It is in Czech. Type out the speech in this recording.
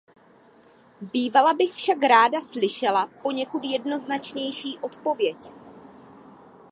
Bývala bych však ráda slyšela poněkud jednoznačnější odpověď.